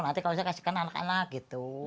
nanti kalau saya kasihkan anak anak gitu